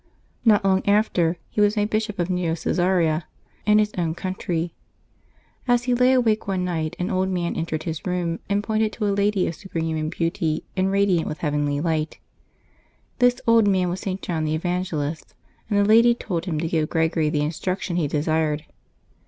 Xot long after, he was made Bishop of ^eo C^sarea in his own country. As he lay awake one night an old man entered his room, and pointed to a lady of superhuman beauty, and radiant with heavenly light. This old man was St. John the Evangelist, and the lady told him to give Gregory the instruction he desired.